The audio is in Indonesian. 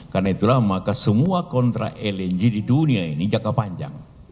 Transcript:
karena itulah maka semua kontrak lng di dunia ini jaga panjang